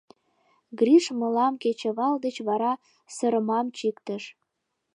...Гриш мылам кечывал деч вара «сырмам чиктыш».